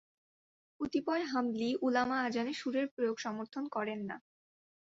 কতিপয় হাম্বলী ‘উলামা আযানে সুরের প্রয়োগ সমর্থন করেন না।